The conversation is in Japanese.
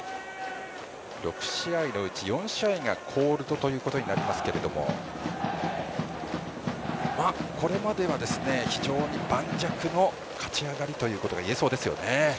６試合のうち４試合がコールドということになりますけどもこれまでは非常に盤石の勝ち上がりということがいえそうですね。